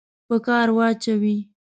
په کار واچوي.